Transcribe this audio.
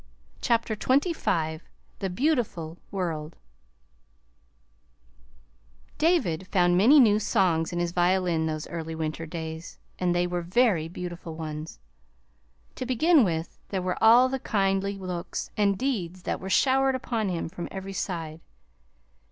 CHAPTER XXV THE BEAUTIFUL WORLD David found many new songs in his violin those early winter days, and they were very beautiful ones. To begin with, there were all the kindly looks and deeds that were showered upon him from every side.